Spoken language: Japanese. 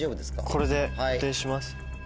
これで固定します。